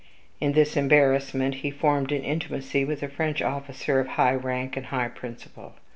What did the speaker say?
In this embarrassment he formed an intimacy with a French officer of high rank and high principle.